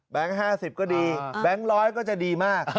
๕๐ก็ดีแบงค์๑๐๐ก็จะดีมาก